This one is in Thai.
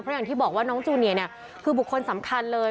อย่างที่บอกว่าน้องจูเนียเนี่ยคือบุคคลสำคัญเลย